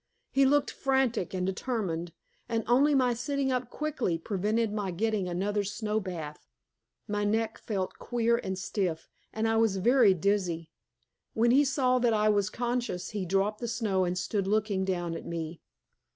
He looked frantic and determined, and only my sitting up quickly prevented my getting another snow bath. My neck felt queer and stiff, and I was very dizzy. When he saw that I was conscious he dropped the snow and stood looking down at me.